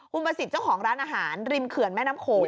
คุณประสิทธิ์เจ้าของร้านอาหารริมเขื่อนแม่น้ำโขง